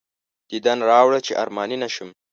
دیدن راوړه چې ارماني نه شم.